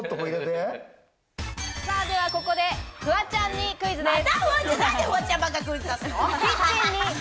ではここでフワちゃんにクイズです。